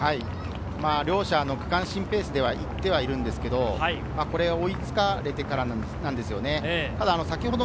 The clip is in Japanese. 両者、区間新ペースで行ってはいるんですが、ここで追いつかれてからなんですよね。